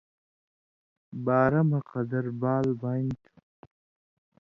بارہ مہ قَدَر بال بانیۡ تُھو۔